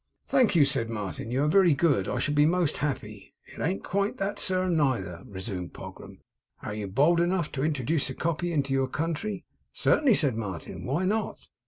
'Thank you,' said Martin, 'you are very good. I shall be most happy.' 'It ain't quite that, sir, neither,' resumed Pogram; 'air you bold enough to introduce a copy into your country?' 'Certainly,' said Martin. 'Why not?